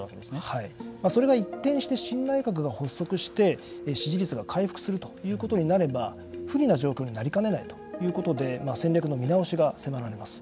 それが一転して新内閣が発足して支持率が回復するということになれば不利な状況になりかねないということで戦略の見直しが迫られます。